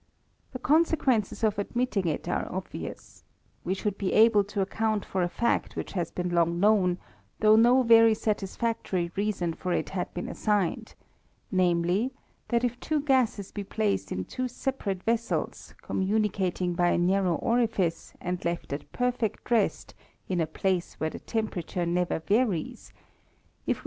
The consequences of admitting it are obvious: we should be able to account for a fact which has been long known, though no very satisfactory reason for it had been assigned; namely, that if two gases be placed in two separate vessels, com municating by a narrow orifice, and left at perfect rest in a place where the temperature never varies^ I funomr or chkmistrt.